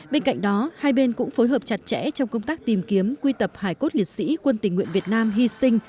bên cạnh đó hai bên cũng phối hợp chặt chẽ trong công tác tìm kiếm quy tập hải cốt liệt sĩ quân tình nguyện việt nam hy sinh